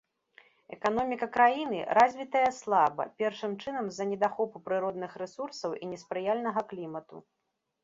Эканоміка краіны развітая слаба, першым чынам, з-за недахопу прыродных рэсурсаў і неспрыяльнага клімату.